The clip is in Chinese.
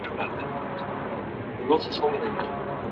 南边与库雅雷克接壤。